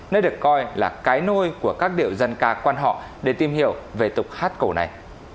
nơi được coi là cái nôi của các điệu dân ca quan họ để tìm hiểu về tục hát cổ này